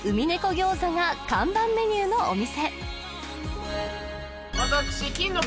餃子が看板メニューのお店私金の国